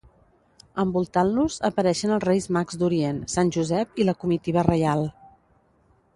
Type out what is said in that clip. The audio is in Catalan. Envoltant-los, apareixen els Reis Mags d'Orient, Sant Josep i la comitiva reial.